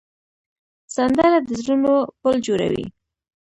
سندره د زړونو پل جوړوي